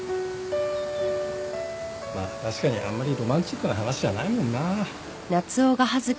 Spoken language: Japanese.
まあ確かにあんまりロマンチックな話じゃないもんな。